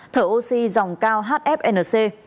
thở oxy dòng cao hfnc